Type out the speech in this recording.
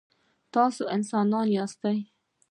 تاسي انسانان یاست.